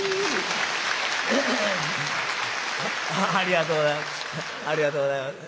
ありがとうございます。